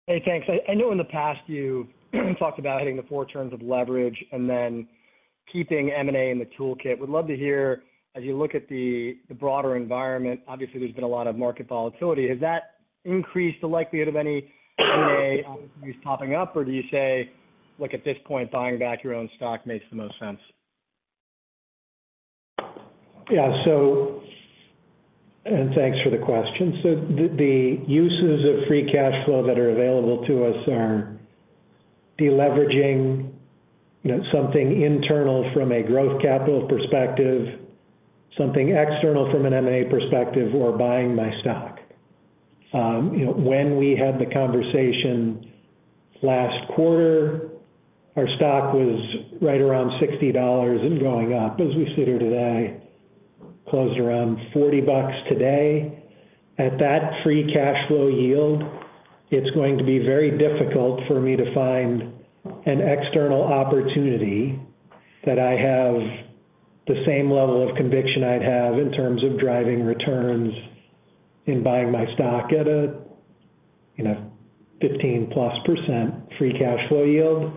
Speaker 14: Hey, thanks. I know in the past you talked about hitting the 4 times leverage and then keeping M&A in the toolkit. Would love to hear as you look at the broader environment, obviously, there's been a lot of market volatility. Has that increased the likelihood of any M&A opportunities popping up? Or do you say, look, at this point, buying back your own stock makes the most sense?
Speaker 6: Yeah, so, and thanks for the question. So the uses of free cash flow that are available to us are deleveraging, you know, something internal from a growth capital perspective, something external from an M&A perspective, or buying my stock. You know, when we had the conversation last quarter, our stock was right around $60 and going up. As we sit here today, closed around $40 today. At that free cash flow yield, it's going to be very difficult for me to find an external opportunity that I have the same level of conviction I'd have in terms of driving returns in buying my stock at a, you know, 15%+ free cash flow yield.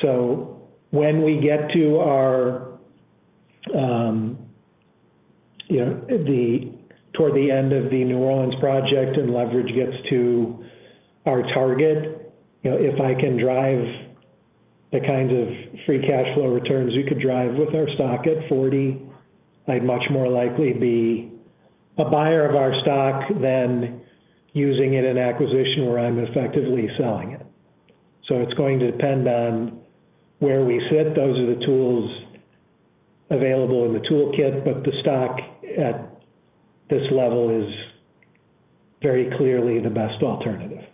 Speaker 6: So when we get to our, you know, toward the end of the New Orleans project, and leverage gets to our target, you know, if I can drive the kinds of free cash flow returns we could drive with our stock at $40, I'd much more likely be a buyer of our stock than using it in acquisition, where I'm effectively selling it. So it's going to depend on where we sit. Those are the tools available in the toolkit, but the stock at this level is very clearly the best alternative.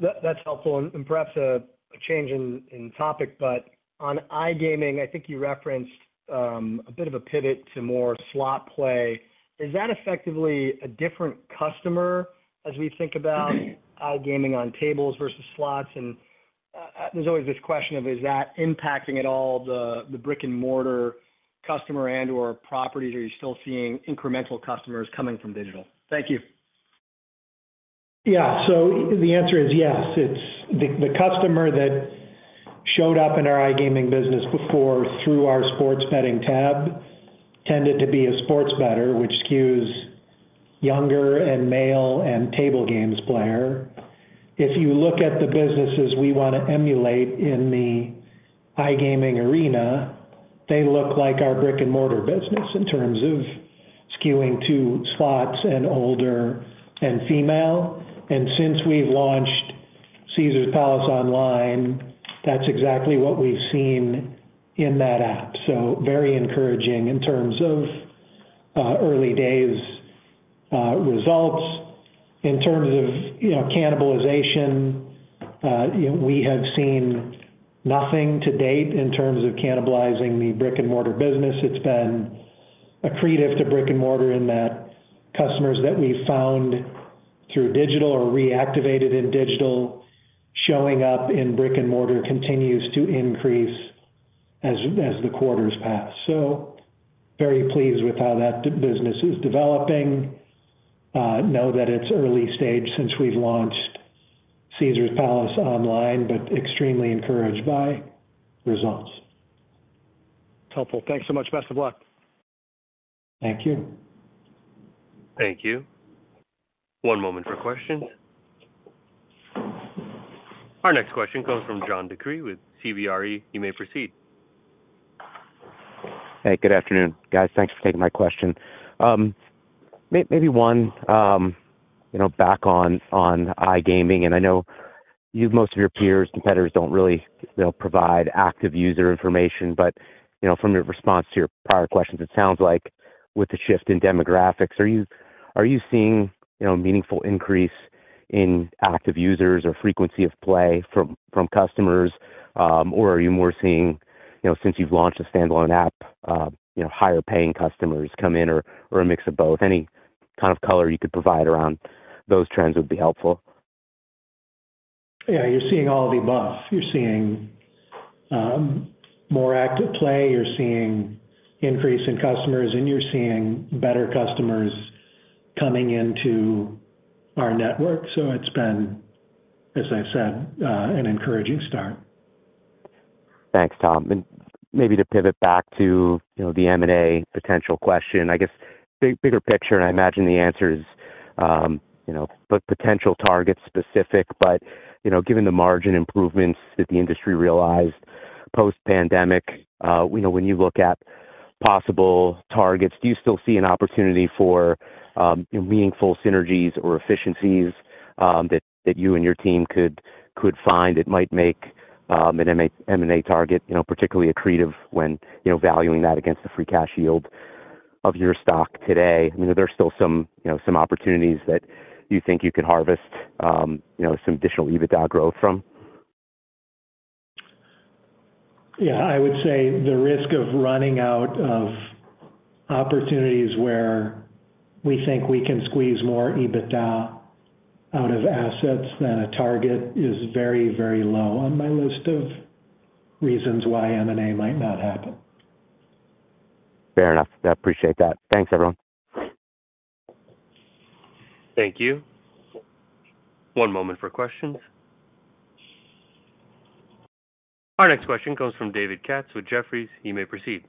Speaker 14: That, that's helpful. And perhaps a change in topic, but on iGaming, I think you referenced a bit of a pivot to more slot play. Is that effectively a different customer as we think about iGaming on tables versus slots? And there's always this question of, is that impacting at all the brick-and-mortar customer and/or properties, or are you still seeing incremental customers coming from digital? Thank you.
Speaker 6: Yeah. So the answer is yes. It's the customer that showed up in our iGaming business before, through our sports betting tab, tended to be a sports bettor, which skews younger and male and table games player. If you look at the businesses we want to emulate in the iGaming arena, they look like our brick-and-mortar business in terms of skewing to slots and older and female. And since we've launched Caesars Palace Online, that's exactly what we've seen in that app. So very encouraging in terms of early days results. In terms of, you know, cannibalization, you know, we have seen nothing to date in terms of cannibalizing the brick-and-mortar business. It's been accretive to brick-and-mortar in that customers that we found through digital or reactivated in digital, showing up in brick-and-mortar continues to increase as the quarters pass. So very pleased with how that business is developing. Know that it's early stage since we've launched Caesars Palace Online, but extremely encouraged by results.
Speaker 14: It's helpful. Thanks so much. Best of luck.
Speaker 6: Thank you.
Speaker 1: Thank you. One moment for questions. Our next question comes from John DeCree with CBRE. You may proceed.
Speaker 15: Hey, good afternoon, guys. Thanks for taking my question. Maybe one, you know, back on iGaming, and I know you, most of your peers, competitors don't really, they'll provide active user information. But, you know, from your response to your prior questions, it sounds like with the shift in demographics, are you seeing, you know, meaningful increase in active users or frequency of play from customers? Or are you more seeing, you know, since you've launched a standalone app, you know, higher paying customers come in or a mix of both? Any kind of color you could provide around those trends would be helpful.
Speaker 6: Yeah, you're seeing all of the above. You're seeing more active play, you're seeing increase in customers, and you're seeing better customers coming into our network. So it's been, as I've said, an encouraging start.
Speaker 15: Thanks, Tom. And maybe to pivot back to, you know, the M&A potential question. I guess, bigger picture, and I imagine the answer is, you know, but potential targets specific. But, you know, given the margin improvements that the industry realized post-pandemic, you know, when you look at possible targets, do you still see an opportunity for, you know, meaningful synergies or efficiencies, that, that you and your team could, could find it might make, an M&A target, you know, particularly accretive when, you know, valuing that against the free cash yield of your stock today? You know, there are still some, you know, some opportunities that you think you could harvest, you know, some additional EBITDA growth from?
Speaker 6: Yeah, I would say the risk of running out of opportunities where we think we can squeeze more EBITDA out of assets than a target is very, very low on my list of reasons why M&A might not happen. Fair enough. I appreciate that. Thanks, everyone.
Speaker 1: Thank you. One moment for questions. Our next question comes from David Katz with Jefferies. You may proceed.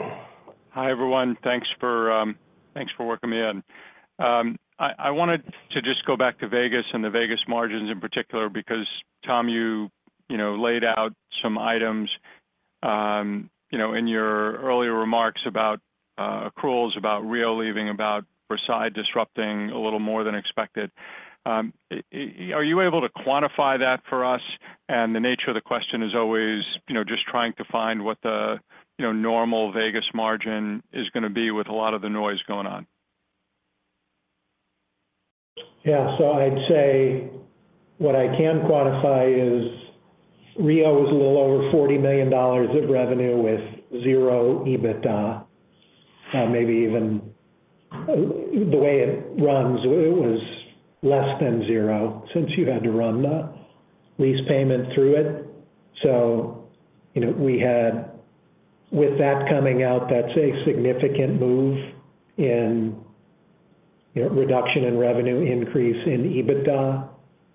Speaker 16: Hi, everyone. Thanks for, thanks for working me in. I wanted to just go back to Vegas and the Vegas margins in particular, because, Tom, you know, laid out some items, you know, in your earlier remarks about, accruals, about Rio leaving, about Versailles disrupting a little more than expected. Are you able to quantify that for us? And the nature of the question is always, you know, just trying to find what the, you know, normal Vegas margin is going to be with a lot of the noise going on.
Speaker 6: Yeah. So I'd say what I can quantify is Rio is a little over $40 million of revenue with zero EBITDA, maybe even the way it runs, it was less than zero since you had to run the lease payment through it. So, you know, we had with that coming out, that's a significant move in, you know, reduction in revenue increase in EBITDA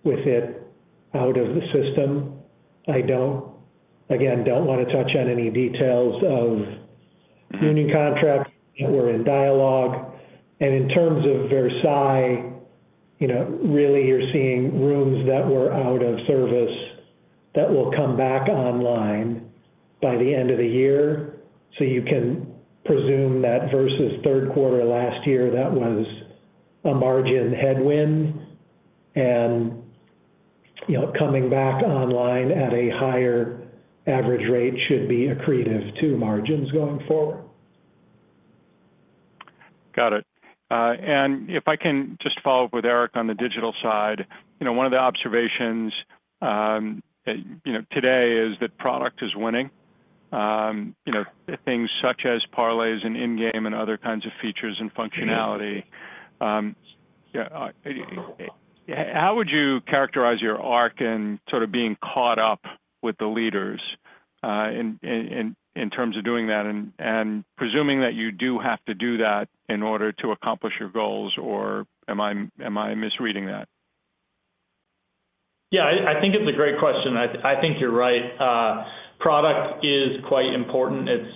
Speaker 6: with it out of the system. I don't, again, don't want to touch on any details of union contracts that we're in dialogue. And in terms of Versailles, you know, really you're seeing rooms that were out of service that will come back online by the end of the year. So you can presume that versus third quarter last year, that was a margin headwind. And, you know, coming back online at a higher average rate should be accretive to margins going forward.
Speaker 16: Got it. And if I can just follow up with Eric on the digital side. You know, one of the observations, you know, today is that product is winning. You know, things such as parlays and in-game and other kinds of features and functionality. Yeah, how would you characterize your arc in sort of being caught up with the leaders, in, in, in terms of doing that, and, and presuming that you do have to do that in order to accomplish your goals, or am I, am I misreading that?
Speaker 4: Yeah, I think it's a great question. I think you're right. Product is quite important. It's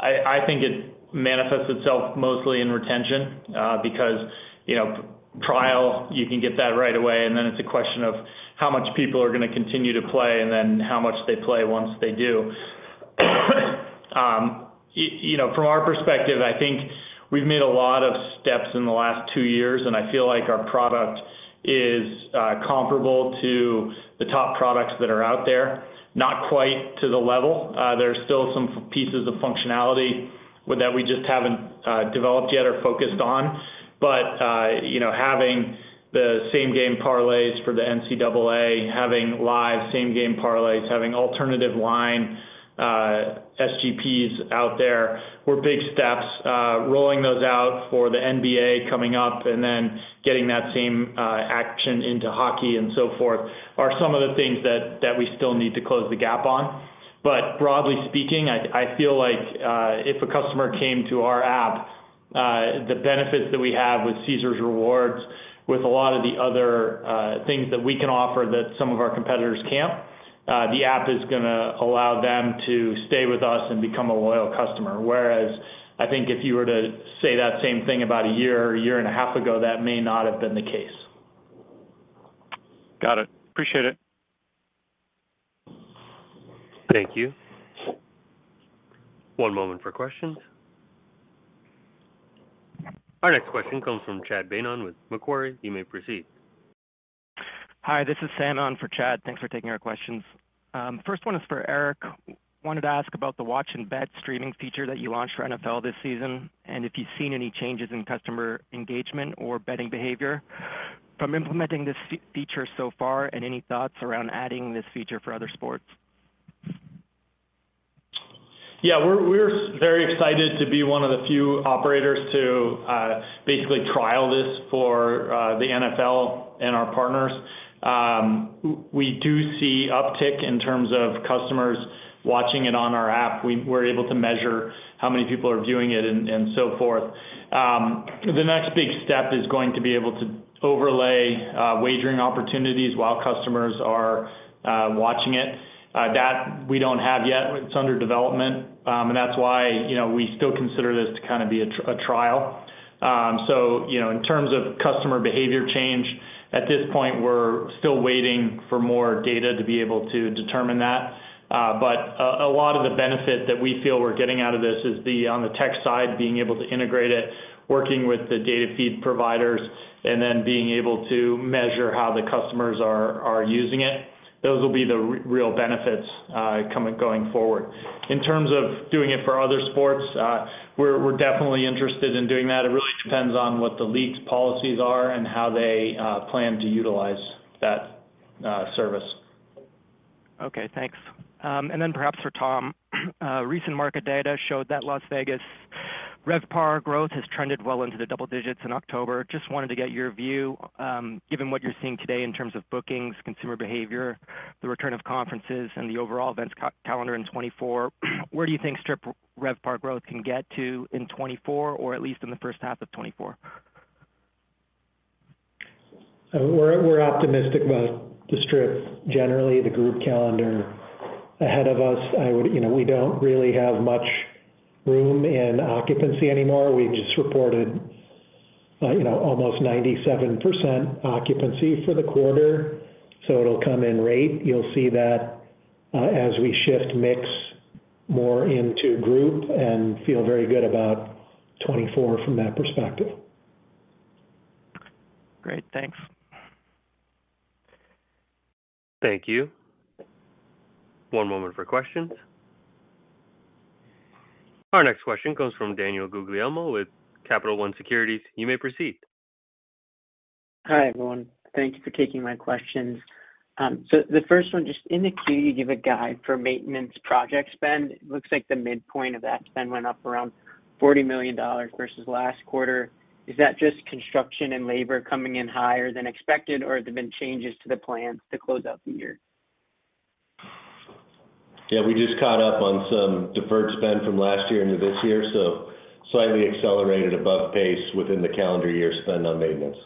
Speaker 4: I think it manifests itself mostly in retention, because, you know, trial, you can get that right away, and then it's a question of how much people are going to continue to play and then how much they play once they do. You know, from our perspective, I think we've made a lot of steps in the last two years, and I feel like our product is comparable to the top products that are out there, not quite to the level. There are still some pieces of functionality that we just haven't developed yet or focused on. But you know, having the same game parlays for the NCAA, having live same game parlays, having alternative line SGPs out there were big steps. Rolling those out for the NBA coming up and then getting that same, action into hockey and so forth are some of the things that we still need to close the gap on. But broadly speaking, I feel like, if a customer came to our app, the benefits that we have with Caesars Rewards, with a lot of the other, things that we can offer that some of our competitors can't, the app is going to allow them to stay with us and become a loyal customer. Whereas, I think if you were to say that same thing about a year or a year and a half ago, that may not have been the case.
Speaker 16: Got it. Appreciate it.
Speaker 1: Thank you. One moment for questions. Our next question comes from Chad Beynon with Macquarie. You may proceed.
Speaker 17: Hi, this is Sannan in for Chad. Thanks for taking our questions. First one is for Eric. Wanted to ask about the Watch and Bet streaming feature that you launched for NFL this season, and if you've seen any changes in customer engagement or betting behavior from implementing this feature so far, and any thoughts around adding this feature for other sports?
Speaker 4: Yeah, we're very excited to be one of the few operators to basically trial this for the NFL and our partners. We do see uptick in terms of customers watching it on our app. We're able to measure how many people are viewing it and so forth. The next big step is going to be able to overlay wagering opportunities while customers are watching it. That we don't have yet. It's under development. And that's why, you know, we still consider this to kind of be a trial. So you know, in terms of customer behavior change, at this point, we're still waiting for more data to be able to determine that. But a lot of the benefit that we feel we're getting out of this is, on the tech side, being able to integrate it, working with the data feed providers, and then being able to measure how the customers are using it. Those will be the real benefits going forward. In terms of doing it for other sports, we're definitely interested in doing that. It really depends on what the league's policies are and how they plan to utilize that service.
Speaker 18: Okay, thanks. And then perhaps for Tom, recent market data showed that Las Vegas RevPAR growth has trended well into the double digits in October. Just wanted to get your view, given what you're seeing today in terms of bookings, consumer behavior, the return of conferences, and the overall events calendar in 2024. Where do you think Strip RevPAR growth can get to in 2024, or at least in the first half of 2024?
Speaker 6: We're optimistic about the strip, generally, the group calendar ahead of us. I would. You know, we don't really have much room in occupancy anymore. We just reported, you know, almost 97% occupancy for the quarter, so it'll come in rate. You'll see that, as we shift mix more into group and feel very good about 2024 from that perspective.
Speaker 18: Great, thanks.
Speaker 1: Thank you. One moment for questions. Our next question comes from Daniel Guglielmo with Capital One Securities. You may proceed.
Speaker 19: Hi, everyone. Thank you for taking my questions. The first one, just in the queue, you give a guide for maintenance project spend. It looks like the midpoint of that spend went up around $40 million versus last quarter. Is that just construction and labor coming in higher than expected, or have there been changes to the plans to close out the year?
Speaker 4: Yeah, we just caught up on some deferred spend from last year into this year, so slightly accelerated above pace within the calendar year spend on maintenance.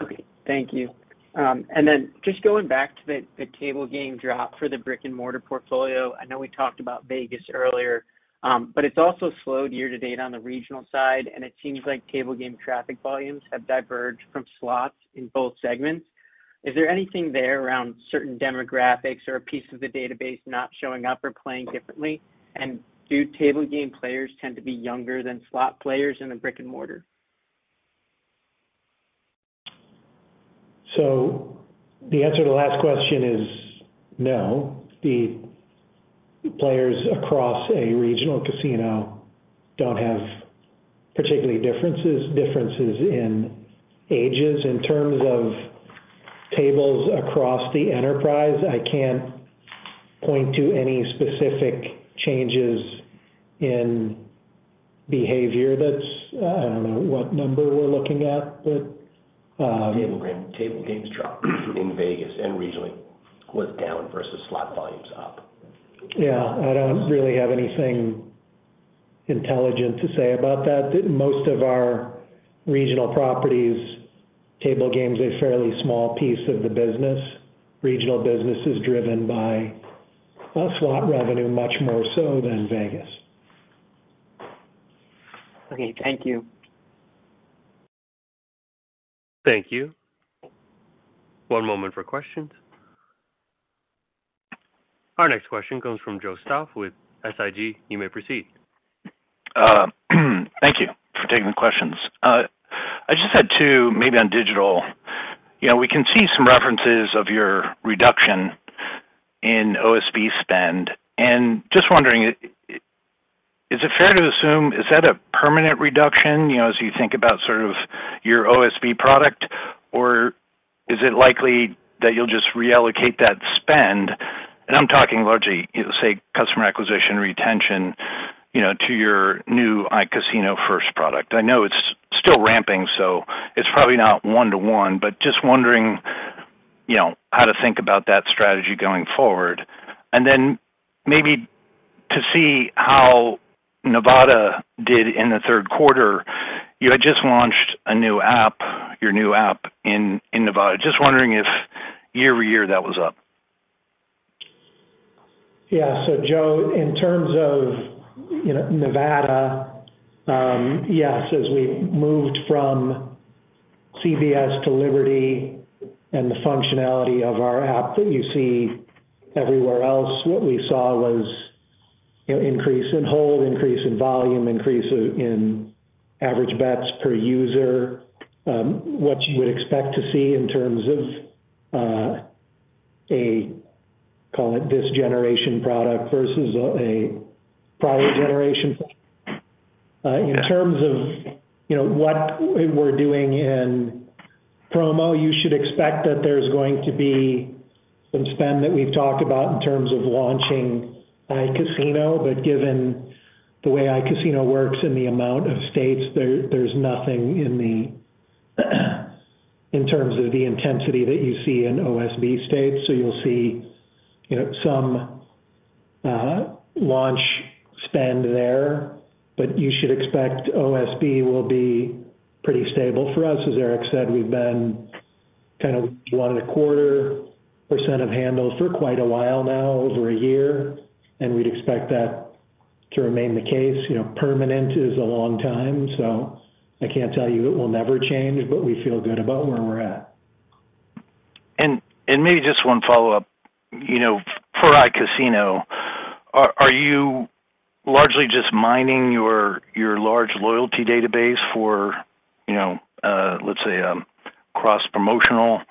Speaker 19: Okay, thank you. And then just going back to the, the table game drop for the brick-and-mortar portfolio. I know we talked about Vegas earlier, but it's also slowed year-to-date on the regional side, and it seems like table game traffic volumes have diverged from slots in both segments. Is there anything there around certain demographics or a piece of the database not showing up or playing differently? And do table game players tend to be younger than slot players in a brick-and-mortar?
Speaker 6: So the answer to the last question is no. The players across a regional casino don't have particular differences in ages. In terms of tables across the enterprise, I can't point to any specific changes in behavior. That's, I don't know what number we're looking at, but-
Speaker 4: Table games drop in Vegas and regionally was down versus slot volumes up.
Speaker 6: Yeah, I don't really have anything intelligent to say about that. Most of our regional properties, table games, a fairly small piece of the business. Regional business is driven by slot revenue, much more so than Vegas.
Speaker 19: Okay, thank you.
Speaker 1: Thank you. One moment for questions. Our next question comes from Joe Stauff with SIG. You may proceed.
Speaker 20: Thank you for taking the questions. I just had two, maybe on digital. You know, we can see some references of your reduction in OSB spend, and just wondering, is it fair to assume, is that a permanent reduction, you know, as you think about sort of your OSB product? Or is it likely that you'll just reallocate that spend? And I'm talking largely, say, customer acquisition, retention, you know, to your new iCasino First product. I know it's still ramping, so it's probably not one-to-one, but just wondering, you know, how to think about that strategy going forward. And then maybe to see how Nevada did in the third quarter, you had just launched a new app, your new app in, in Nevada. Just wondering if year-over-year, that was up.
Speaker 6: Yeah. So, Joe, in terms of, you know, Nevada, yes, as we moved from CBS to Liberty and the functionality of our app that you see everywhere else, what we saw was, you know, increase in hold, increase in volume, increase in average bets per user, what you would expect to see in terms of, a, call it, this generation product versus a prior generation. In terms of, you know, what we're doing in promo, you should expect that there's going to be some spend that we've talked about in terms of launching iCasino, but given the way iCasino works and the amount of states, there, there's nothing in the, in terms of the intensity that you see in OSB states. So you'll see, you know, some launch spend there, but you should expect OSB will be pretty stable for us. As Eric said, we've been kind of 1.25% of handles for quite a while now, over a year, and we'd expect that to remain the case. You know, permanent is a long time, so I can't tell you it will never change, but we feel good about where we're at.
Speaker 20: And maybe just one follow-up. You know, for iCasino, are you largely just mining your large loyalty database for, you know, let's say, a cross-promotional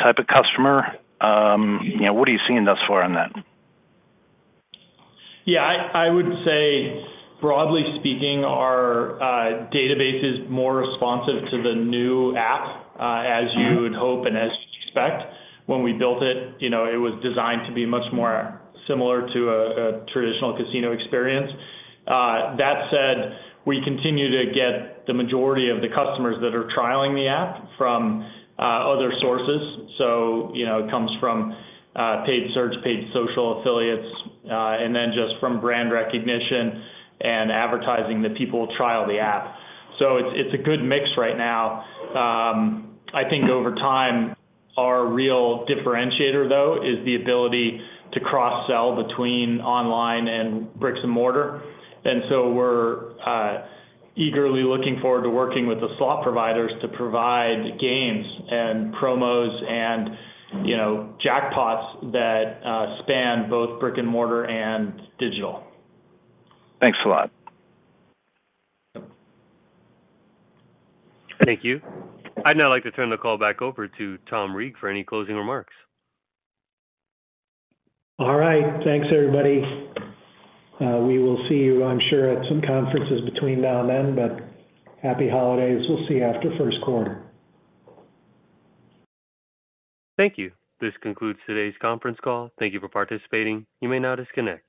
Speaker 20: type of customer? You know, what are you seeing thus far on that?
Speaker 4: Yeah, I would say, broadly speaking, our database is more responsive to the new app, as you would hope and as you'd expect. When we built it, you know, it was designed to be much more similar to a traditional casino experience. That said, we continue to get the majority of the customers that are trialing the app from other sources. So, you know, it comes from paid search, paid social affiliates, and then just from brand recognition and advertising that people will trial the app. So it's a good mix right now. I think over time, our real differentiator, though, is the ability to cross-sell between online and bricks and mortar. We're eagerly looking forward to working with the slot providers to provide games and promos and, you know, jackpots that span both brick and mortar and digital.
Speaker 20: Thanks a lot.
Speaker 1: Thank you. I'd now like to turn the call back over to Tom Reeg for any closing remarks.
Speaker 6: All right. Thanks, everybody. We will see you, I'm sure, at some conferences between now and then, but happy holidays. We'll see you after the first quarter.
Speaker 1: Thank you. This concludes today's conference call. Thank you for participating. You may now disconnect.